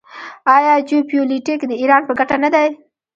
آیا جیوپولیټیک د ایران په ګټه نه دی؟